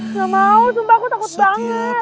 gak mau zumba aku takut banget